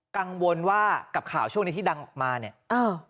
กังวลว่ากับข่าวช่วงนี้ที่ดังออกมาเนี่ยอ้าว